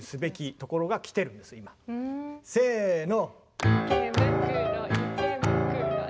せの。